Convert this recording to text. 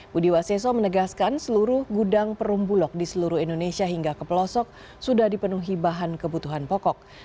budi waseso menegaskan seluruh gudang perumbulok di seluruh indonesia hingga ke pelosok sudah dipenuhi bahan kebutuhan pokok